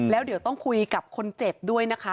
แล้วเดี๋ยวต้องคุยกับคนเจ็บด้วยนะคะ